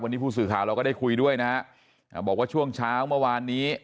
วันนี้ผู้สื่อข่าวเราก็ได้คุยด้วยนะฮะอ่าบอกว่าช่วงเช้าเมื่อวานนี้